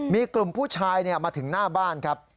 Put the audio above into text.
มีกลุ่มผู้ชายมาถึงหน้าบ้านครับ